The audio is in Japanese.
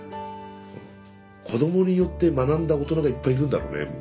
子どもによって学んだ大人がいっぱいいるんだろうね。